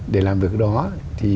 để làm việc đó thì